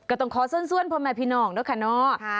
ก็ต้องขอส้วนพอมาพี่นองนะคะเนอะ